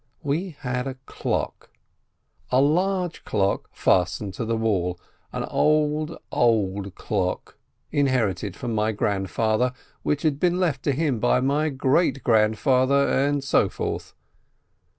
We had a clock, a large clock, fastened to the wall, an old, old clock inherited from my grandfather, which had been left him by my great grandfather, and so forth.